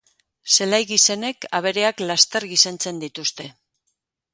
Zelai gizenek abereak laster gizentzen dituzte.